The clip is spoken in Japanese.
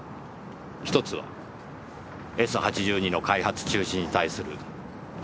１つは「Ｓ８２」の開発中止に対する報復です。